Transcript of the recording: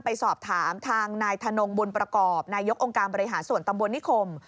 ไปสอบถามทางนายธนงบุญประกอบนายกองค์การบริหารส่วนตำบลนิคม